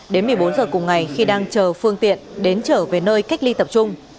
đến một mươi bốn giờ cùng ngày khi đang chờ phương tiện đến trở về nơi cách ly tập trung